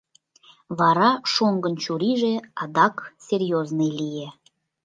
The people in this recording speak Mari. Вара шоҥгын чурийже адак серьезный лие.